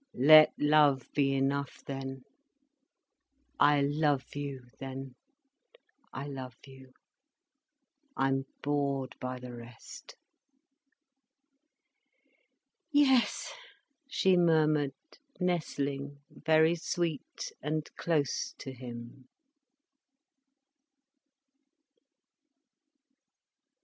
Let love be enough then. I love you then—I love you. I'm bored by the rest." "Yes," she murmured, nestling very sweet and close to him.